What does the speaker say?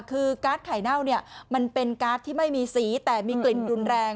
คือการ์ดไข่เน่าเนี่ยมันเป็นการ์ดที่ไม่มีสีแต่มีกลิ่นรุนแรง